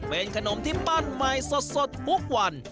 เป็นขนมที่ปั้นใหม่สดทุกวัน